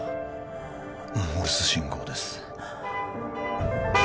モールス信号です